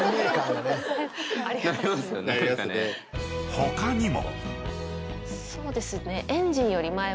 ［他にも］